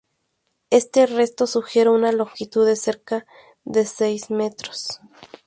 Este resto sugiere una longitud de cerca de seis metros.